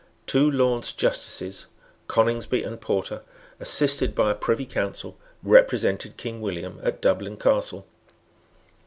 Two Lords Justices, Coningsby and Porter, assisted by a Privy Council, represented King William at Dublin Castle.